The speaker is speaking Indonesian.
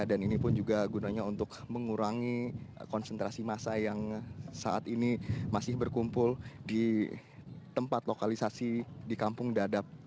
dan ini pun juga gunanya untuk mengurangi konsentrasi massa yang saat ini masih berkumpul di tempat lokalisasi di kampung dadap